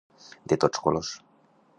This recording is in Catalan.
De tots colors.